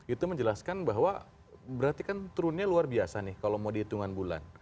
itu menjelaskan bahwa berarti kan turunnya luar biasa nih kalau mau dihitungan bulan